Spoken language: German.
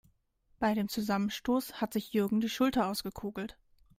Bei dem Zusammenstoß hat sich Jürgen die Schulter ausgekugelt.